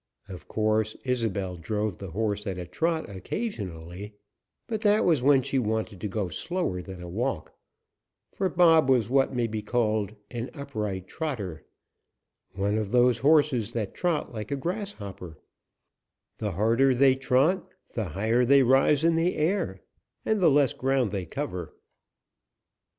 Of course, Isobel drove the horse at a trot occasionally, but that was when she wanted to go slower than a walk, for Bob was what may be called an upright trotter one of those horses that trot like a grasshopper: the harder they trot the higher they rise in the air, and the less ground they cover.